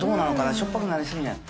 しょっぱくなりすぎない？